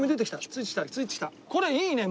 これいいね。